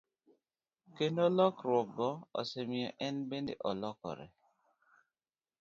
Kendo lokruokgo osemiyo en bende olokore.